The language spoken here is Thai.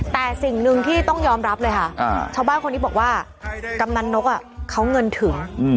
แต่สิ่งหนึ่งที่ต้องยอมรับเลยค่ะชาวบ้านคนนี้บอกว่ากำนันนกเขาเงินถึง